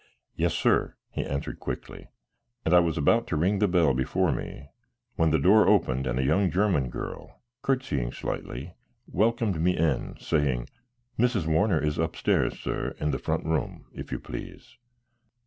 "Yes, sir," he answered quickly; and I was about to ring the bell before me, when the door opened and a young German girl, courtesying slightly, welcomed me in, saying: "Mrs. Warner is upstairs, sir; in the front room, if you please."